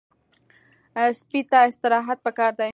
سپي ته استراحت پکار دی.